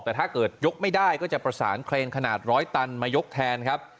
แต่ถ้าเกิดยกไม่ได้ก็จะประสานเครนขนาดร้อยตันมายกแทนครับ